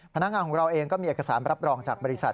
พนักงานของเราเองก็มีเอกสารรับรองจากบริษัท